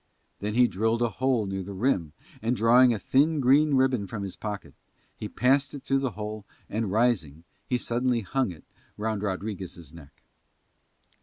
Then he drilled a hole near the rim and, drawing a thin green ribbon from his pocket, he passed it through the hole and, rising, he suddenly hung it round Rodriguez' neck.